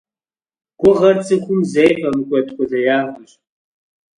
Гугъэр цӀыхум зэи фӀэмыкӀуэд къулеягъэщ.